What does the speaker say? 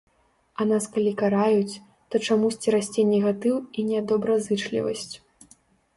А калі нас караюць, то чамусьці расце негатыў і нядобразычлівасць.